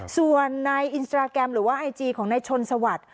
ส่วนในอินสตราแกรมหรือว่าไอจีของนายชนสวัสดิ์